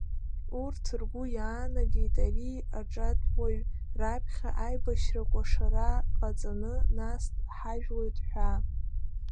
Урҭ ргәы иаанагеит ари аҿатә уаҩ раԥхьа аибашьра кәашара ҟаҵаны, нас дҳажәлоит ҳәа.